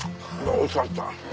おいしかった。